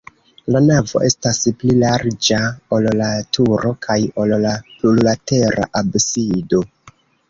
La navo estas pli larĝa, ol la turo kaj ol la plurlatera absido.